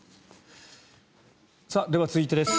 では、続いてです。